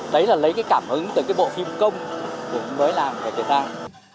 đấy là lấy cảm hứng từ bộ phim công mới làm về việt nam